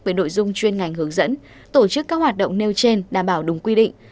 với đội dung chuyên ngành hướng dẫn tổ chức các hoạt động nêu trên đảm bảo đúng quy định